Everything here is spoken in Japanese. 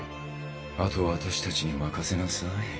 あとはアタシたちに任せなさい。